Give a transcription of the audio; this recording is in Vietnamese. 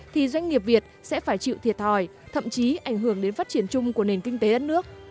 thì doanh nghiệp việt sẽ phải chịu thiệt thòi thậm chí ảnh hưởng đến phát triển chung của nền kinh tế đất nước